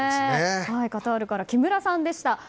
カタールから木村さんでした。